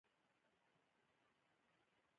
ککړه هوا د تنفسي ناروغیو او سالنډۍ لامل کیږي